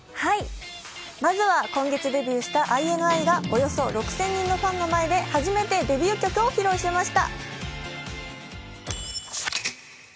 まずは今月デビューしたＩＮＩがおよそ６０００人のファンの前で初めてデビュー曲を披露しました。